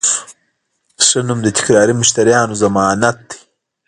ښه نوم د تکراري مشتریانو ضمانت دی.